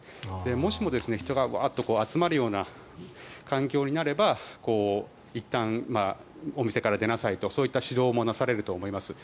もしも、人がワッと集まるような環境になればいったんお店から出なさいとそういった指導もなされると思います。